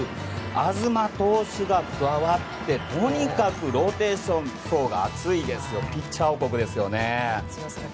東投手が加わってとにかくローテーション層が厚いピッチャー王国ですよね。